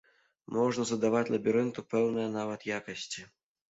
Можна задаваць лабірынту пэўныя нават якасці.